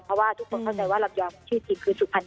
เพราะว่าทุกคนเข้าใจว่าลำยองชื่อจริงคือสุพรรณ